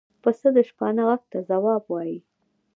پسه د شپانه غږ ته ځواب وايي.